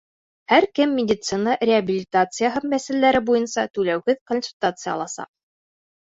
Һәр кем медицина реабилитацияһы мәсьәләләре буйынса түләүһеҙ консультация аласаҡ.